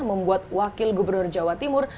membuat wakil gubernur jawa timur